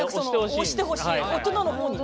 押してほしい大人の方に。